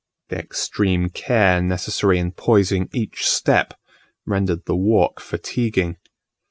The extreme care necessary in poising each step rendered the walk fatiguing.